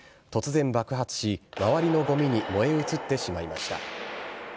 突然爆発し、周りのごみに燃え移ってしまいました。